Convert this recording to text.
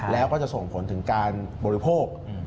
แล้วก็จะส่งผลถึงการบริโภค